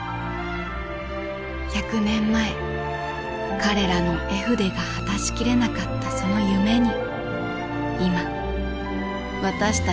１００年前彼らの絵筆が果たし切れなかったその夢に今私たちのカメラが迫る。